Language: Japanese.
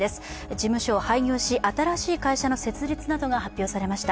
事務所を廃業し新しい会社の設立などが発表されました。